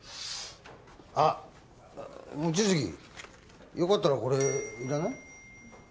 あっ望月よかったらこれいらない？